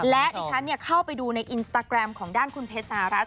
และดิฉันเข้าไปดูในอินสตาแกรมของด้านคุณเพชรสหรัฐ